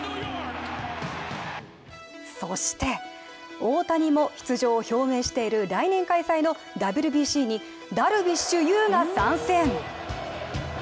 そして大谷も出場を表明している来年開催のＷＢＣにダルビッシュ有が参戦。